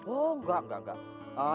oh enggak enggak enggak